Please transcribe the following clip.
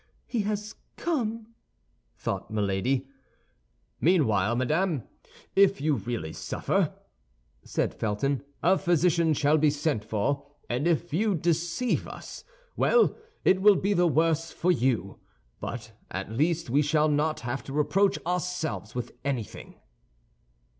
"He has come!" thought Milady. "Meanwhile, madame, if you really suffer," said Felton, "a physician shall be sent for; and if you deceive us—well, it will be the worse for you. But at least we shall not have to reproach ourselves with anything."